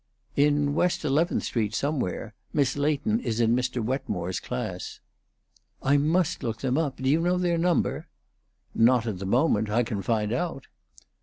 "In West Eleventh Street somewhere. Miss Leighton is in Mr. Wetmore's class." "I must look them up. Do you know their number?" "Not at the moment. I can find out."